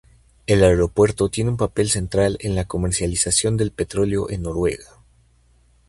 El aeropuerto tiene un papel central en la comercialización del petróleo en Noruega.